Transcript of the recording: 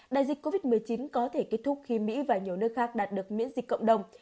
đại dịch covid một mươi chín có thể kết thúc khi mỹ và nhiều nước khác đạt được miễn dịch cộng đồng